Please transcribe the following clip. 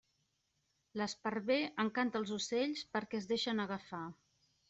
L'esparver encanta els ocells perquè es deixen agafar.